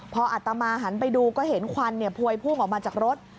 พออัตมาหันไปดูก็เห็นควันพวยพุ่งออกมาจากรถ